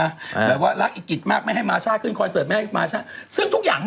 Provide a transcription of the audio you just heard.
เหมือนว่ารักกิตมากไม่ให้มาช้าขึ้นคอนเซิร์ตไม่ให้มาช้า